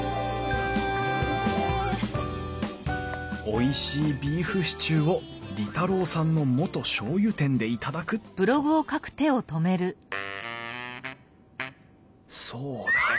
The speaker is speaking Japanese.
「おいしいビーフシチューを利太郎さんの元しょうゆ店で頂く」とそうだ。